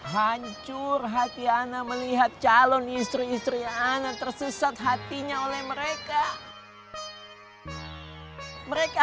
hancur hati ana melihat calon istri istri ana tersesat hatinya oleh mereka mereka